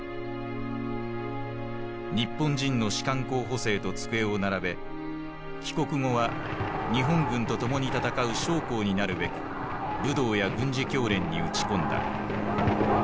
日本人の士官候補生と机を並べ帰国後は日本軍と共に戦う将校になるべく武道や軍事教練に打ち込んだ。